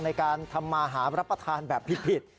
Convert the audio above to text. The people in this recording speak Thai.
ในการทำมาหารับประทานแบบผิด